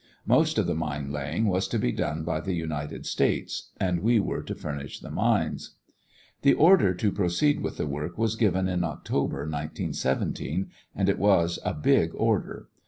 Most of the mine laying was to be done by the United States and we were to furnish the mines. The order to proceed with the work was given in October, 1917, and it was a big order.